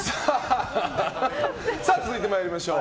続いて参りましょう。